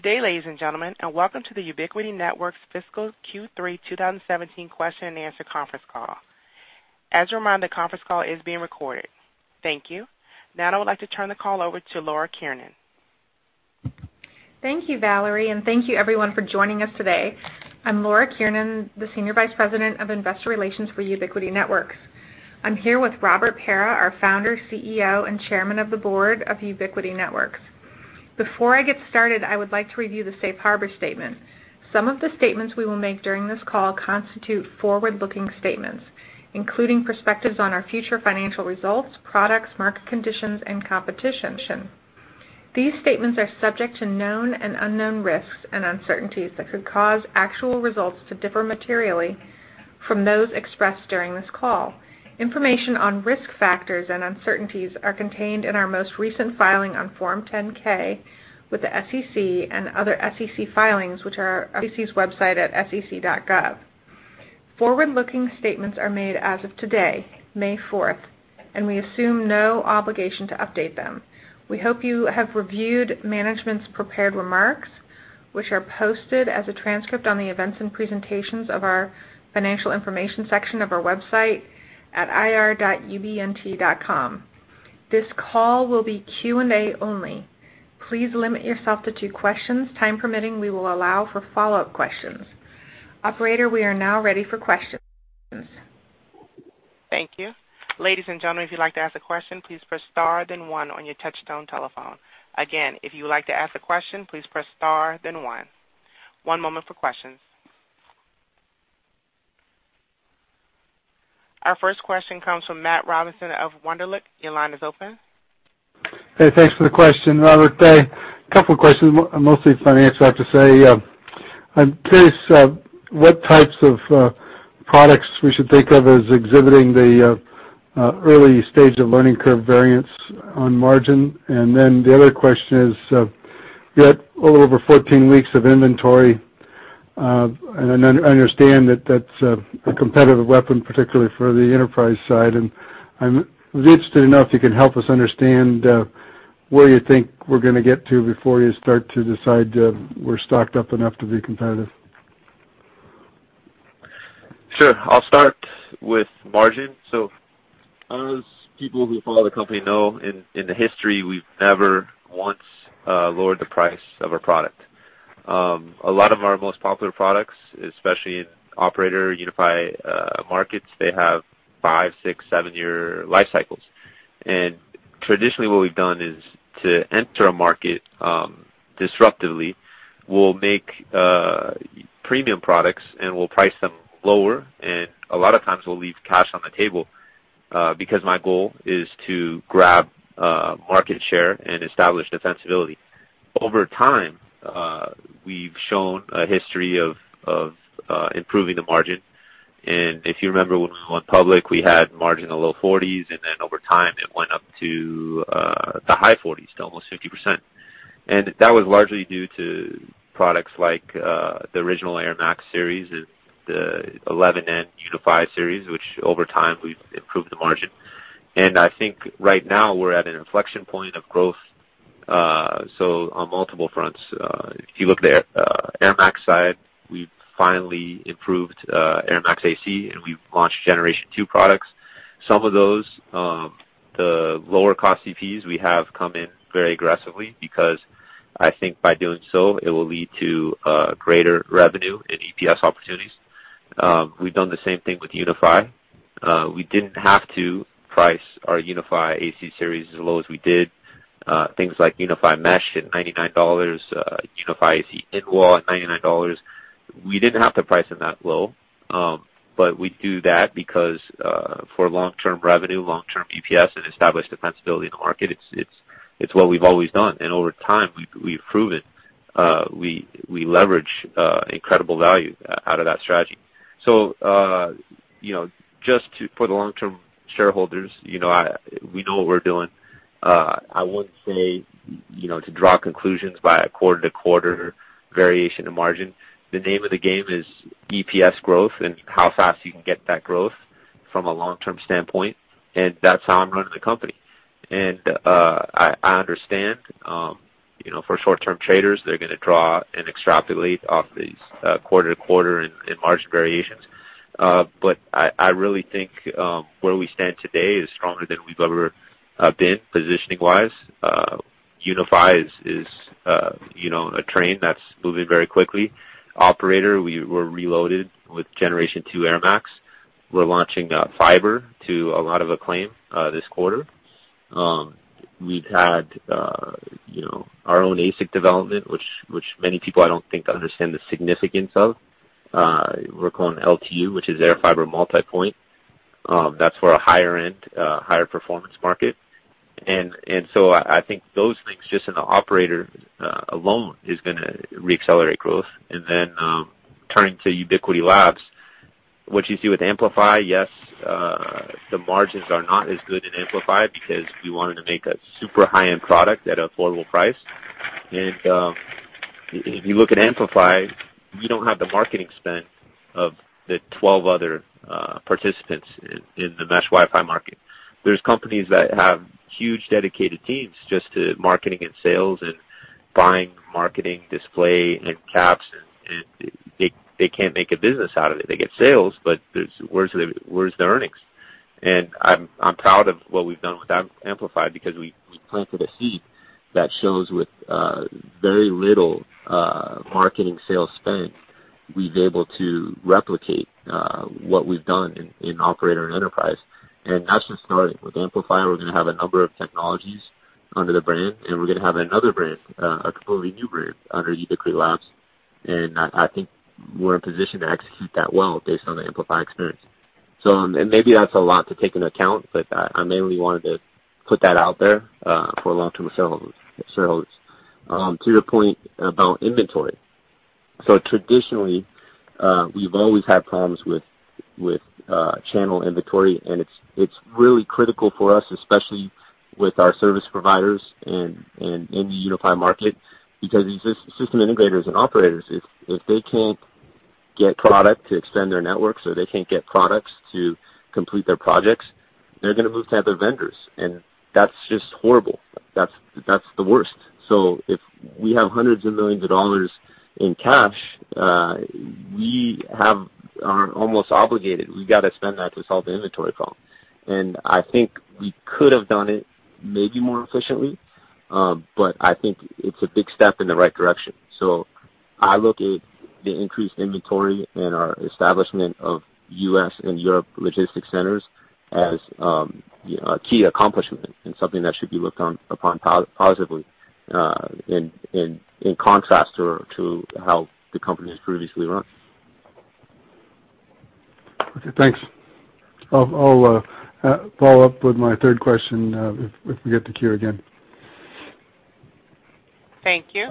Good day, ladies and gentlemen, and welcome to the Ubiquiti Networks Fiscal Q3 2017 Question and Answer Conference Call. As a reminder, the conference call is being recorded. Thank you. Now I would like to turn the call over to Laura Kiernan. Thank you, Valerie, and thank you, everyone, for joining us today. I'm Laura Kiernan, the Senior Vice President of Investor Relations for Ubiquiti Networks. I'm here with Robert Pera, our Founder, CEO, and Chairman of the Board of Ubiquiti Networks. Before I get started, I would like to review the Safe Harbor Statement. Some of the statements we will make during this call constitute forward-looking statements, including perspectives on our future financial results, products, market conditions, and competition. These statements are subject to known and unknown risks and uncertainties that could cause actual results to differ materially from those expressed during this call. Information on risk factors and uncertainties is contained in our most recent filing on Form 10-K with the SEC and other SEC filings, which are on the SEC's website at sec.gov. Forward-looking statements are made as of today, May 4th, and we assume no obligation to update them. We hope you have reviewed management's prepared remarks, which are posted as a transcript on the events and presentations of our financial information section of our website at ir.ubnt.com. This call will be Q&A only. Please limit yourself to two questions. Time permitting, we will allow for follow-up questions. Operator, we are now ready for questions. Thank you. Ladies and gentlemen, if you'd like to ask a question, please press star then one on your touch-tone telephone. Again, if you would like to ask a question, please press star then one. One moment for questions. Our first question comes from Matt Robinson of Wunderlich. Your line is open. Hey, thanks for the question, Robert. A couple of questions, mostly financial, I have to say. I'm curious what types of products we should think of as exhibiting the early stage of learning curve variance on margin. The other question is, we've got a little over 14 weeks of inventory, and I understand that that's a competitive weapon, particularly for the enterprise side. I'm interested to know if you can help us understand where you think we're going to get to before you start to decide we're stocked up enough to be competitive. Sure. I'll start with margin. As people who follow the company know, in the history, we've never once lowered the price of our product. A lot of our most popular products, especially in operator UniFi markets, they have five, six, seven-year life cycles. Traditionally, what we've done is, to enter a market disruptively, we'll make premium products and we'll price them lower. A lot of times, we'll leave cash on the table because my goal is to grab market share and establish defensibility. Over time, we've shown a history of improving the margin. If you remember, when we went public, we had margin in the low 40s, and then over time, it went up to the high 40s, to almost 50%. That was largely due to products like the original airMAX series and the 11n UniFi series, which over time, we've improved the margin. I think right now, we're at an inflection point of growth. On multiple fronts, if you look at the airMAX side, we've finally improved airMAX AC, and we've launched Generation 2 products. Some of those, the lower-cost CPEs, we have come in very aggressively because I think by doing so, it will lead to greater revenue and EPS opportunities. We've done the same thing with UniFi. We didn't have to price our UniFi AC Series as low as we did. Things like UniFi Mesh at $99, UniFi AC In-Wall at $99, we didn't have to price them that low. We do that because for long-term revenue, long-term EPS, and established defensibility in the market, it's what we've always done. Over time, we've proven we leverage incredible value out of that strategy. Just for the long-term shareholders, we know what we're doing. I wouldn't say to draw conclusions by a quarter-to-quarter variation in margin. The name of the game is EPS growth and how fast you can get that growth from a long-term standpoint. That's how I'm running the company. I understand for short-term traders, they're going to draw and extrapolate off these quarter-to-quarter and margin variations. I really think where we stand today is stronger than we've ever been positioning-wise. UniFi is a train that's moving very quickly. Operator, we were reloaded with Generation 2 airMAX. We're launching fiber to a lot of acclaim this quarter. We've had our own ASIC development, which many people, I don't think, understand the significance of. We're calling LTU, which is airFiber multipoint. That's for a higher-end, higher-performance market. I think those things, just in the operator alone, are going to re-accelerate growth. Turning to Ubiquiti Labs, what you see with AmpliFi, yes, the margins are not as good in AmpliFi because we wanted to make a super high-end product at an affordable price. If you look at AmpliFi, we do not have the marketing spend of the 12 other participants in the mesh Wi-Fi market. There are companies that have huge dedicated teams just to marketing and sales and buying marketing display and caps, and they cannot make a business out of it. They get sales, but where are the earnings? I am proud of what we have done with AmpliFi because we have planted a seed that shows with very little marketing sales spend, we have been able to replicate what we have done in operator and enterprise. That is just starting. With AmpliFi, we're going to have a number of technologies under the brand, and we're going to have another brand, a completely new brand, under Ubiquiti Labs. I think we're in position to execute that well based on the AmpliFi experience. Maybe that's a lot to take into account, but I mainly wanted to put that out there for long-term shareholders. To your point about inventory, traditionally, we've always had problems with channel inventory, and it's really critical for us, especially with our service providers and in the UniFi market, because these system integrators and operators, if they can't get product to extend their network, if they can't get products to complete their projects, they're going to move to other vendors. That's just horrible. That's the worst. If we have hundreds of millions of dollars in cash, we are almost obligated. We've got to spend that to solve the inventory problem. I think we could have done it maybe more efficiently, but I think it's a big step in the right direction. I look at the increased inventory and our establishment of U.S. and Europe logistics centers as a key accomplishment and something that should be looked upon positively in contrast to how the company has previously run. Okay, thanks. I'll follow up with my third question if we get the queue again. Thank you.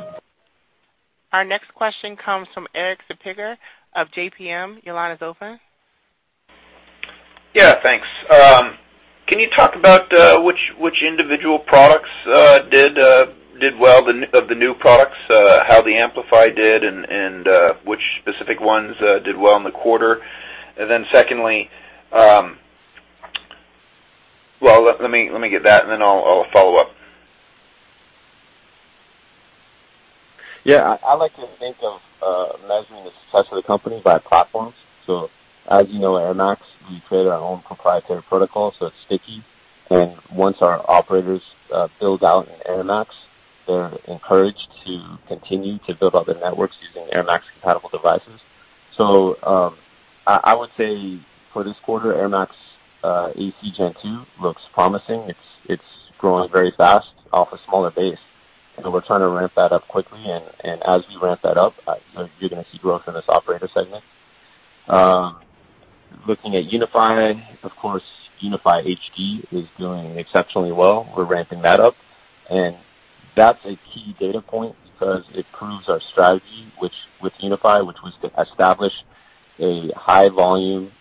Our next question comes from Eric Zapiga of JPM. Your line is open. Yeah, thanks. Can you talk about which individual products did well of the new products, how the AmpliFi did, and which specific ones did well in the quarter? Then secondly, let me get that, and then I'll follow up. Yeah, I like to think of measuring the success of the company by platforms. As you know, airMAX, we create our own proprietary protocol, so it's sticky. Once our operators build out an airMAX, they're encouraged to continue to build other networks using airMAX-compatible devices. I would say for this quarter, airMAX AC Gen 2 looks promising. It's growing very fast off a smaller base. We're trying to ramp that up quickly. As we ramp that up, you're going to see growth in this operator segment. Looking at UniFi, of course, UniFi HD is doing exceptionally well. We're ramping that up. That's a key data point because it proves our strategy with UniFi, which was to establish a high-volume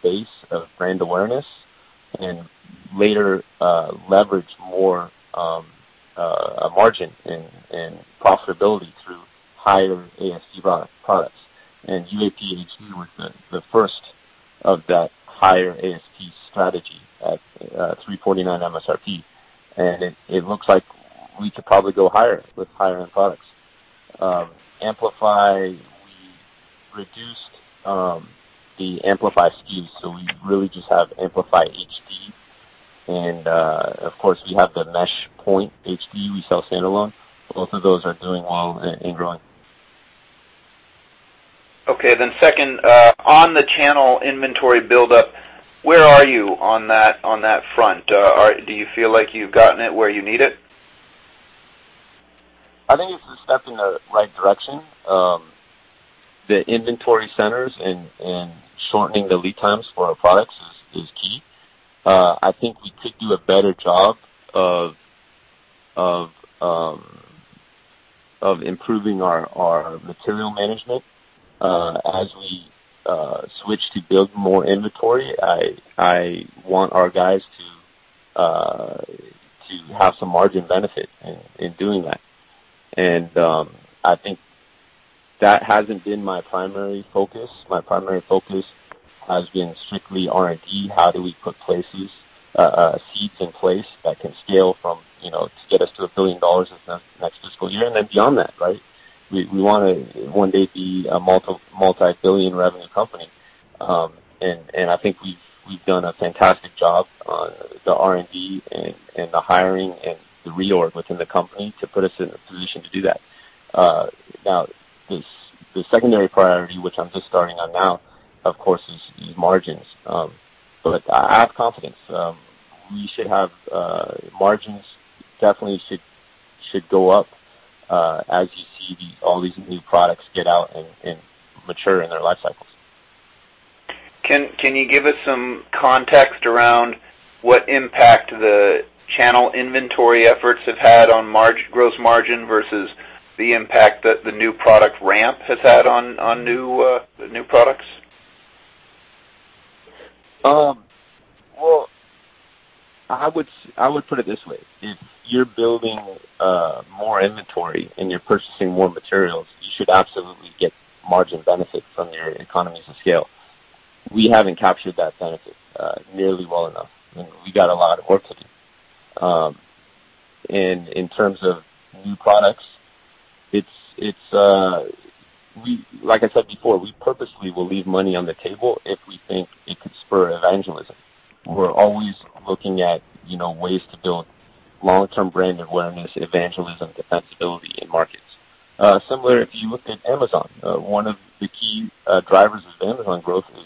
base of brand awareness and later leverage more margin and profitability through higher ASP products. UAP-HD was the first of that higher ASP strategy at $349 MSRP. It looks like we could probably go higher with higher-end products. AmpliFi, we reduced the AmpliFi SKUs, so we really just have AmpliFi HD. Of course, we have the MeshPoint HD we sell standalone. Both of those are doing well and growing. Okay, then second, on the channel inventory buildup, where are you on that front? Do you feel like you've gotten it where you need it? I think it's a step in the right direction. The inventory centers and shortening the lead times for our products is key. I think we could do a better job of improving our material management as we switch to build more inventory. I want our guys to have some margin benefit in doing that. I think that hasn't been my primary focus. My primary focus has been strictly R&D. How do we put places, seeds in place that can scale from to get us to a billion dollars next fiscal year and then beyond that, right? We want to one day be a multi-billion revenue company. I think we've done a fantastic job on the R&D and the hiring and the reorg within the company to put us in a position to do that. Now, the secondary priority, which I'm just starting on now, of course, is margins. I have confidence we should have margins definitely should go up as you see all these new products get out and mature in their life cycles. Can you give us some context around what impact the channel inventory efforts have had on gross margin versus the impact that the new product ramp has had on new products? I would put it this way. If you're building more inventory and you're purchasing more materials, you should absolutely get margin benefit from your economies of scale. We haven't captured that benefit nearly well enough. We've got a lot of work to do. In terms of new products, like I said before, we purposely will leave money on the table if we think it could spur evangelism. We're always looking at ways to build long-term brand awareness, evangelism, defensibility in markets. Similar, if you look at Amazon, one of the key drivers of Amazon growth is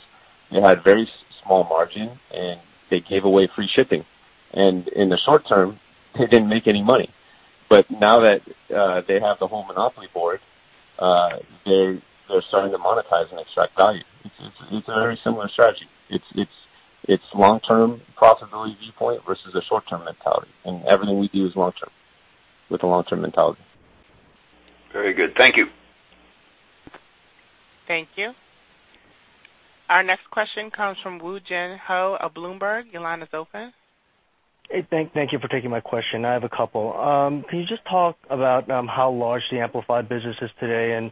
they had very small margin, and they gave away free shipping. In the short term, they didn't make any money. Now that they have the whole monopoly board, they're starting to monetize and extract value. It's a very similar strategy. It's long-term profitability viewpoint versus a short-term mentality. Everything we do is long-term with a long-term mentality. Very good. Thank you. Thank you. Our next question comes from Woo Jin Ho of Bloomberg. Your line is open. Hey, thank you for taking my question. I have a couple. Can you just talk about how large the AmpliFi business is today?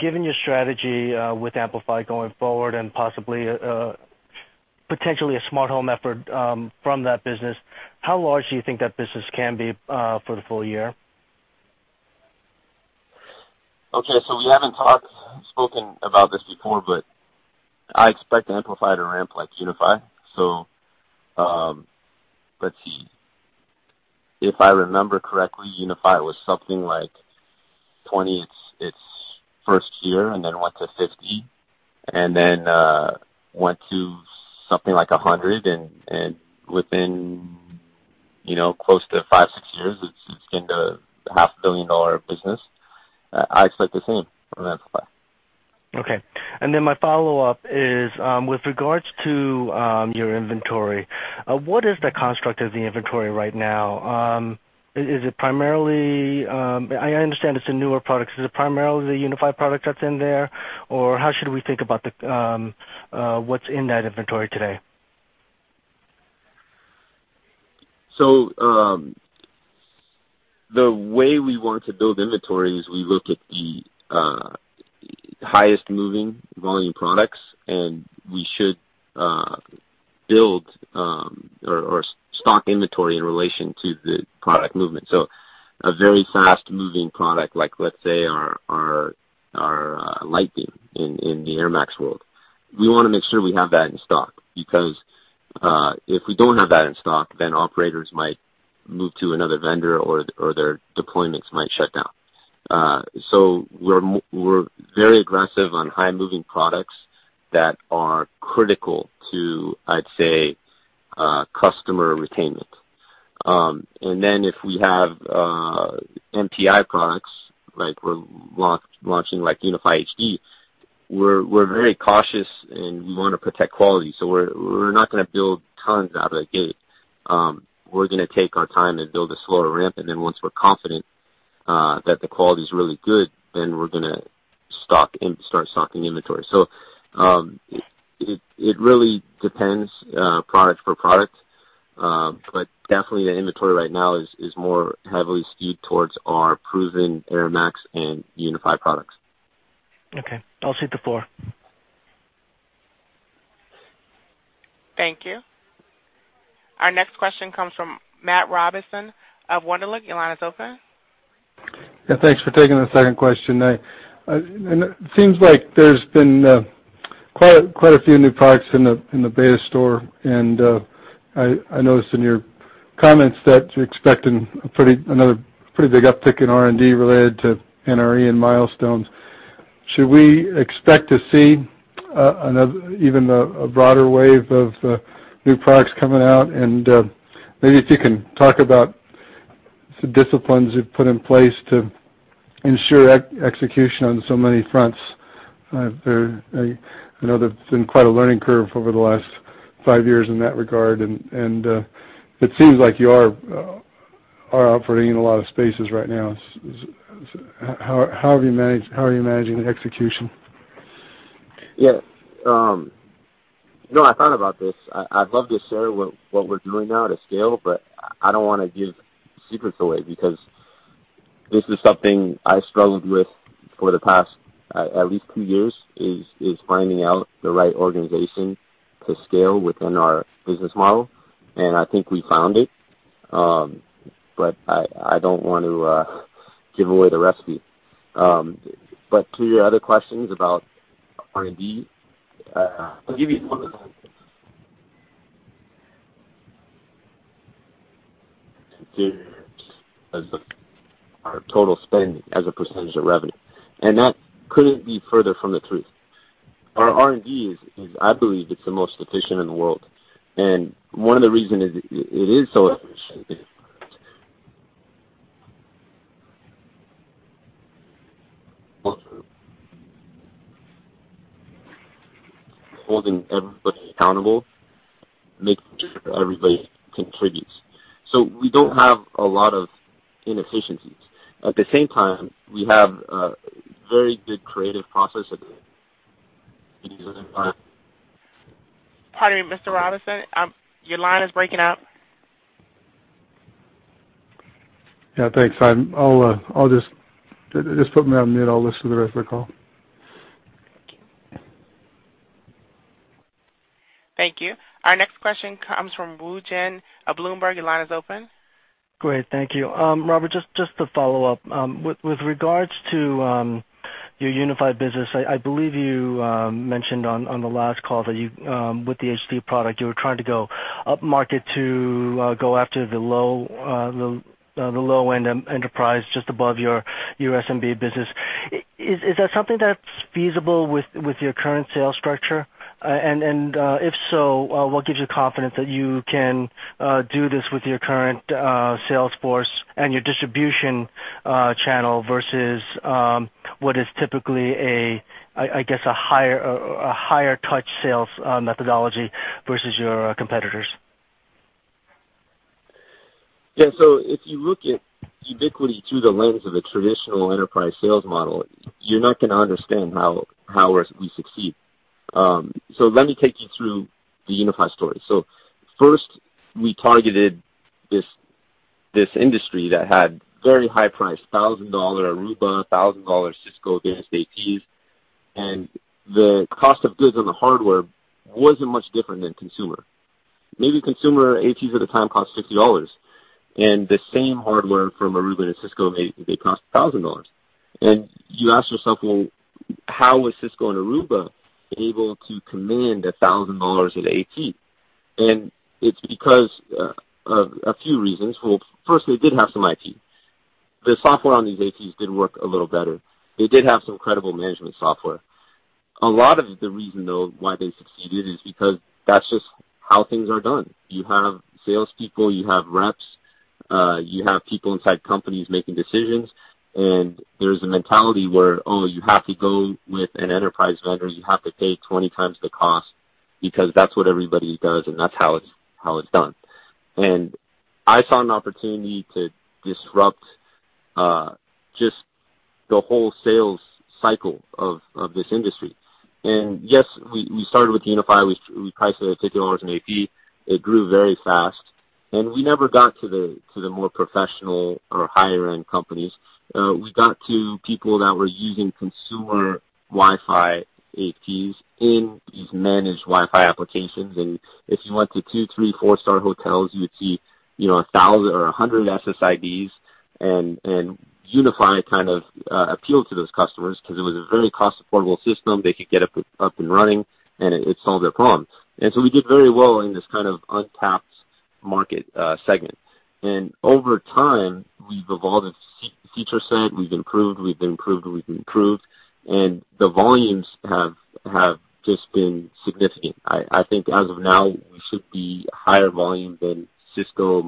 Given your strategy with AmpliFi going forward and possibly potentially a smart home effort from that business, how large do you think that business can be for the full year? Okay, we haven't spoken about this before, but I expect AmpliFi to ramp like UniFi. Let's see. If I remember correctly, UniFi was something like $20 million its first year and then went to $50 million, and then went to something like $100 million. Within close to five, six years, it's been a $500 million business. I expect the same from AmpliFi. Okay. My follow-up is with regards to your inventory. What is the construct of the inventory right now? Is it primarily—I understand it's a newer product. Is it primarily the UniFi product that's in there? How should we think about what's in that inventory today? The way we want to build inventory is we look at the highest moving volume products, and we should build or stock inventory in relation to the product movement. A very fast-moving product, like let's say our LiteBeam in the airMAX world, we want to make sure we have that in stock. Because if we don't have that in stock, then operators might move to another vendor or their deployments might shut down. We're very aggressive on high-moving products that are critical to, I'd say, customer retainment. If we have MPI products, like we're launching UniFi HD, we're very cautious and we want to protect quality. We're not going to build tons out of the gate. We're going to take our time and build a slower ramp. Once we're confident that the quality is really good, then we're going to start stocking inventory. It really depends product for product. Definitely, the inventory right now is more heavily skewed towards our proven airMAX and UniFi products. Okay. I'll cede the floor. Thank you. Our next question comes from Matt Robinson of Wunderlich. Your line is open. Yeah, thanks for taking the second question. It seems like there's been quite a few new products in the beta store. I noticed in your comments that you're expecting another pretty big uptick in R&D related to NRE and milestones. Should we expect to see even a broader wave of new products coming out? Maybe if you can talk about the disciplines you've put in place to ensure execution on so many fronts. I know there's been quite a learning curve over the last five years in that regard. It seems like you are operating in a lot of spaces right now. How are you managing the execution? Yeah. No, I thought about this. I'd love to share what we're doing now to scale, but I don't want to give secrets away because this is something I struggled with for the past at least two years, is finding out the right organization to scale within our business model. I think we found it. I don't want to give away the recipe. To your other questions about R&D, I'll give you our total spending as a percentage of revenue. That couldn't be further from the truth. Our R&D is, I believe, the most efficient in the world. One of the reasons it is so efficient is holding everybody accountable, making sure everybody contributes. We don't have a lot of inefficiencies. At the same time, we have a very good creative process at the. Pardon me, Mr. Robinson. Your line is breaking up. Yeah, thanks. I'll just put me on mute. I'll listen to the rest of the call. Thank you. Our next question comes from Woo Jin of Bloomberg. Your line is open. Great. Thank you. Robert, just to follow up. With regards to your UniFi business, I believe you mentioned on the last call that with the HD product, you were trying to go upmarket to go after the low-end enterprise just above your SMB business. Is that something that's feasible with your current sales structure? If so, what gives you confidence that you can do this with your current sales force and your distribution channel versus what is typically, I guess, a higher-touch sales methodology versus your competitors? Yeah. If you look at Ubiquiti through the lens of a traditional enterprise sales model, you're not going to understand how we succeed. Let me take you through the UniFi story. First, we targeted this industry that had very high-priced $1,000 Aruba, $1,000 Cisco-based APs. The cost of goods on the hardware wasn't much different than consumer. Maybe consumer APs at the time cost $50. The same hardware from Aruba to Cisco, they cost $1,000. You ask yourself, how was Cisco and Aruba able to command $1,000 at AP? It's because of a few reasons. First, they did have some IT. The software on these APs did work a little better. They did have some credible management software. A lot of the reason, though, why they succeeded is because that's just how things are done. You have salespeople, you have reps, you have people inside companies making decisions. There's a mentality where, oh, you have to go with an enterprise vendor. You have to pay 20 times the cost because that's what everybody does and that's how it's done. I saw an opportunity to disrupt just the whole sales cycle of this industry. Yes, we started with UniFi. We priced it at $50 an AP. It grew very fast. We never got to the more professional or higher-end companies. We got to people that were using consumer Wi-Fi APs in these managed Wi-Fi applications. If you went to two, three, four-star hotels, you would see 1,000 or 100 SSIDs. UniFi kind of appealed to those customers because it was a very cost-affordable system. They could get up and running, and it solved their problem. We did very well in this kind of untapped market segment. Over time, we've evolved a feature set. We've improved. We've improved. We've improved. The volumes have just been significant. I think as of now, we should be higher volume than Cisco's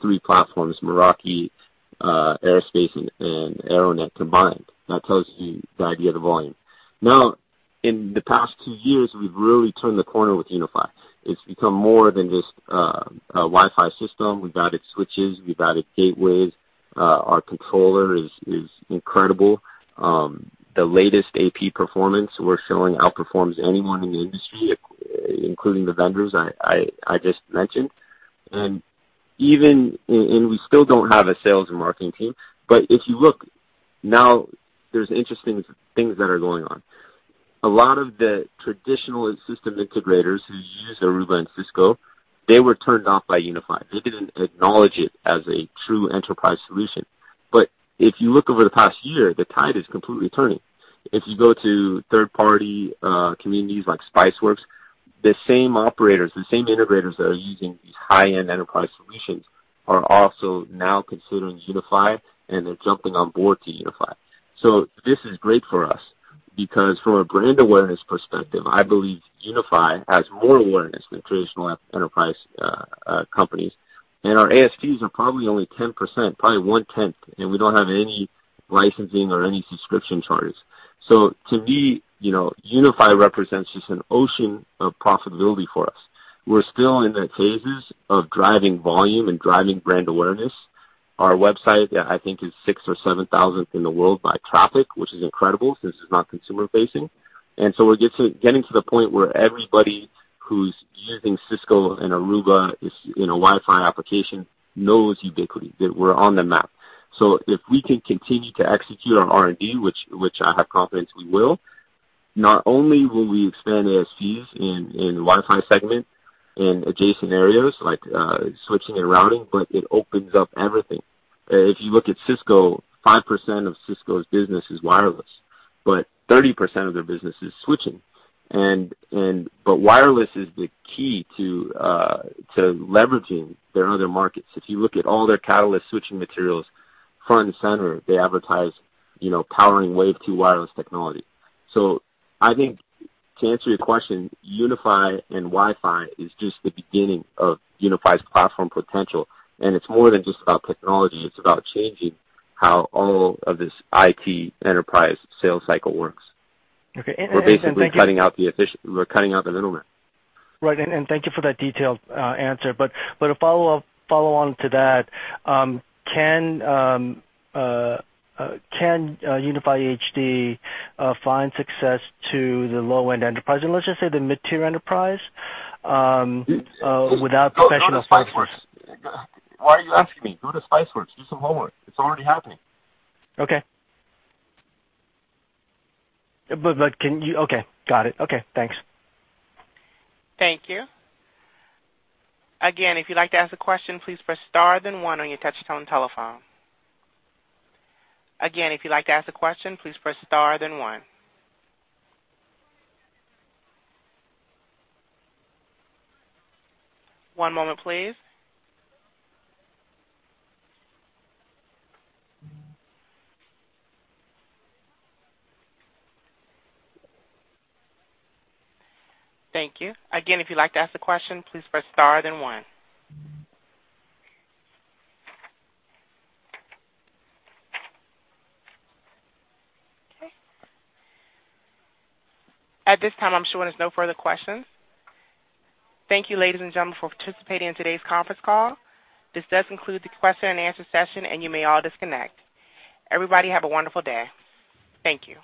three platforms, Meraki, Aerospace and Aironet combined. That tells you the idea of the volume. In the past two years, we've really turned the corner with UniFi. It's become more than just a Wi-Fi system. We've added switches. We've added gateways. Our controller is incredible. The latest AP performance we're showing outperforms anyone in the industry, including the vendors I just mentioned. We still don't have a sales and marketing team. If you look, now there's interesting things that are going on. A lot of the traditional system integrators who use Aruba and Cisco, they were turned off by UniFi. They didn't acknowledge it as a true enterprise solution. If you look over the past year, the tide is completely turning. If you go to third-party communities like Spiceworks, the same operators, the same integrators that are using these high-end enterprise solutions are also now considering UniFi, and they're jumping on board to UniFi. This is great for us because from a brand awareness perspective, I believe UniFi has more awareness than traditional enterprise companies. Our ASPs are probably only 10%, probably 1/10. We don't have any licensing or any subscription charges. To me, UniFi represents just an ocean of profitability for us. We're still in the phases of driving volume and driving brand awareness. Our website, I think, is 6,000th or 7,000th in the world by traffic, which is incredible since it's not consumer-facing. We're getting to the point where everybody who's using Cisco and Aruba in a Wi-Fi application knows Ubiquiti, that we're on the map. If we can continue to execute on R&D, which I have confidence we will, not only will we expand ASPs in the Wi-Fi segment and adjacent areas like switching and routing, but it opens up everything. If you look at Cisco, 5% of Cisco's business is wireless, but 30% of their business is switching. Wireless is the key to leveraging their other markets. If you look at all their catalyst switching materials, front and center, they advertise powering Wave 2 wireless technology. I think to answer your question, UniFi and Wi-Fi is just the beginning of UniFi's platform potential. It's more than just about technology. It's about changing how all of this IT enterprise sales cycle works. Okay. Then. We're basically cutting out the middleman. Right. Thank you for that detailed answer. A follow-on to that, can UniFi HD find success to the low-end enterprise? Let's just say the mid-tier enterprise without professional Spiceworks. Why are you asking me? Go to Spiceworks. Do some homework. It's already happening. Okay. Okay. Got it. Okay. Thanks. Thank you. Again, if you'd like to ask a question, please press star then one on your touch-tone telephone. Again, if you'd like to ask a question, please press star then one. One moment, please. Thank you. Again, if you'd like to ask a question, please press star then one. Okay. At this time, I'm sure there's no further questions. Thank you, ladies and gentlemen, for participating in today's conference call. This does conclude the question-and-answer session, and you may all disconnect. Everybody have a wonderful day. Thank you.